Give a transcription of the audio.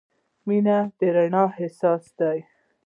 • مینه د رڼا احساس دی.